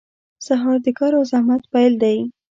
• سهار د کار او زحمت پیل دی.